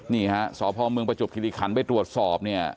นี่ฮะสพเมืองประจบคิริขันไปตรวจสอบเนี่ย